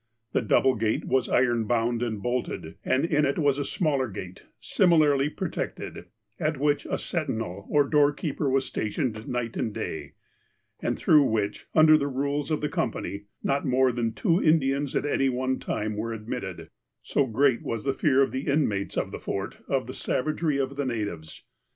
The double gate was iron bound and bolted, and in it was a smaller gate, similarly protected, at which a sentinel or doorkeeper was stationed night and day, and through which, under the rules of the company, not more than two Indians at any one time were admitted, so great was the fear of the inmates of the Fort of the savagery of the natives.